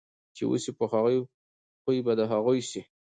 چي اوسې په خوی به د هغو سې